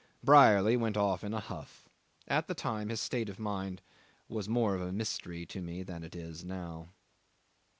Brierly went off in a huff. At the time his state of mind was more of a mystery to me than it is now.